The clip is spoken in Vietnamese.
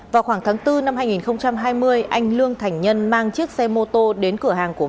vào khoảng tháng bốn năm hai nghìn hai mươi anh lương thành nhân mang chiếc xe mô tô đến cửa hàng của ông